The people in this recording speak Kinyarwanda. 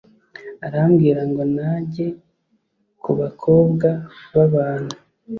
arambwira ngo najye ku bakobwa b'abantu